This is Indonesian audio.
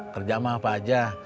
kerja mah apa aja